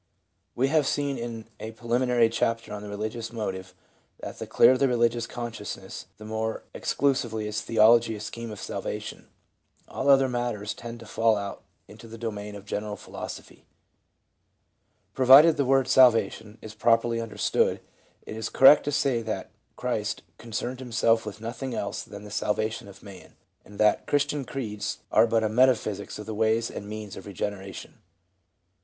We have seen in a preliminary chapter on the Eeligious Motive that the clearer the religious consciousness, the more exclusively is theology a scheme of salvation ; all other matters tend to fall out into the domain of general philosophy. Pro vided the word "salvation" is properly understood, it is cor rect to say that Christ concerned himself with nothing else than the salvation of man ; and that Christian creeds are but a metaphysics of the ways and means of regeneration.